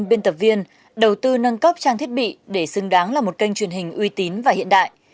biên tập viên đầu tư nâng cấp trang thiết bị để xứng đáng là một kênh truyền hình uy tín và hiện đại